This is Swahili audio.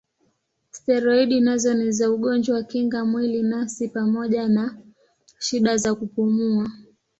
Steroidi nazo ni za ugonjwa kinga mwili nafsi pamoja na shida za kupumua.